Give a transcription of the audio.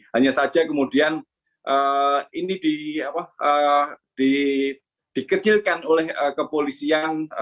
hanya saja kemudian ini dikecilkan oleh kepolisian